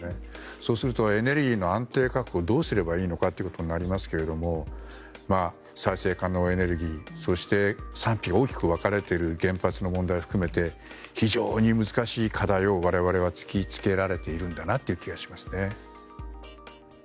そうするとエネルギーの安定確保をどうすればいいのかということになりますが再生可能エネルギーそして賛否が大きく分かれている原発の問題を含めて非常に難しい課題を我々は突き付けられているんだなという気がしますね。